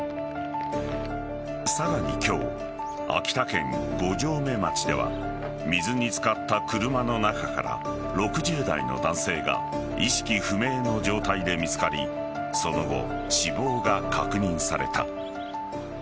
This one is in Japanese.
さらに今日、秋田県五城目町では水に漬かった車の中から６０代の男性が意識不明の状態で見つかりその後、死亡が確認された。